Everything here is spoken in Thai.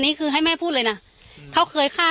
ที่มีข่าวเรื่องน้องหายตัว